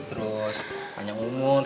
terus panjang umur